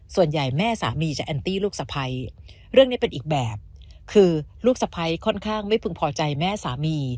แม่สามีจะแอนตี้ลูกสะพ้ายเรื่องนี้เป็นอีกแบบคือลูกสะพ้ายค่อนข้างไม่พึงพอใจแม่สามี